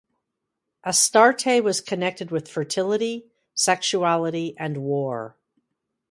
Astarte was connected with fertility, sexuality, and war.